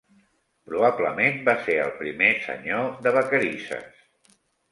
Probablement va ser el primer Senyor de Vacarisses.